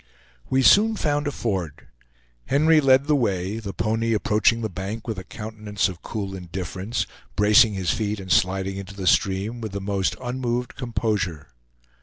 We soon found a ford. Henry led the way, the pony approaching the bank with a countenance of cool indifference, bracing his feet and sliding into the stream with the most unmoved composure.